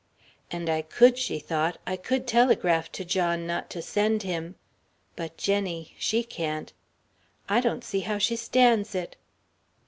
"And I could," she thought; "I could telegraph to John not to send him. But Jenny she can't. I don't see how she stands it...."